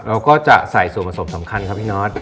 เราก็จะใส่ส่วนผสมสำคัญครับพี่นอท